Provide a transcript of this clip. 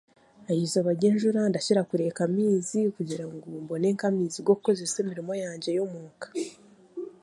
Aheizooba ry'enjuura ndakira kureeka amaizi kandi kugira ngu mbone nk'amaizi g'okukozeesa emiriimo yangye ey'omuuka.